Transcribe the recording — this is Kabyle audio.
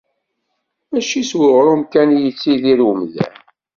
Mačči s uɣrum kan i yettidir umdan.